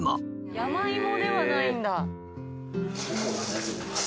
山芋ではないんだ。